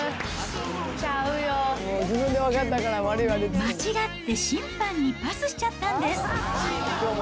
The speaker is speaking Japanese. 間違って審判にパスしちゃったんです。